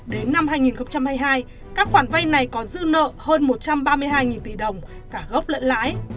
đến năm hai nghìn hai mươi hai các khoản vai này còn dư nợ hơn một trăm ba mươi hai tỷ đồng cả gốc lợi lãi